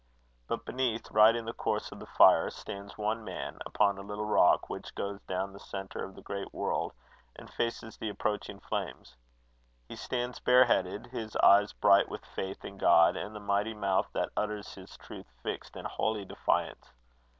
But beneath, right in the course of the fire, stands one man upon a little rock which goes down to the centre of the great world, and faces the approaching flames. He stands bareheaded, his eyes bright with faith in God, and the mighty mouth that utters his truth, fixed in holy defiance.